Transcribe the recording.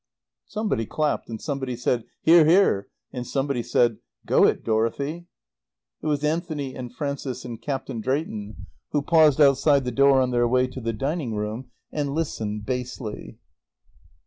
Somebody clapped and somebody said, "Hear, Hear!" And somebody said, "Go it, Dorothy!" It was Anthony and Frances and Captain Drayton, who paused outside the door on their way to the dining room, and listened, basely.